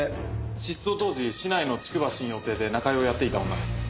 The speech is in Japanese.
失踪当時市内の竹葉新葉亭で仲居をやっていた女です。